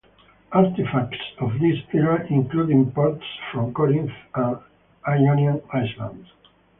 Artifacts of this era include imports from Corinth and Ionian islands.